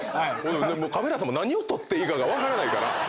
もうカメラさんも何を撮っていいかが分からないから。